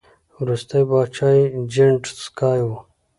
وروستی پاچا یې جیډ سکای و